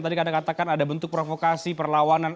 tadi anda katakan ada bentuk provokasi perlawanan